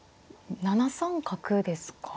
７三角ですか？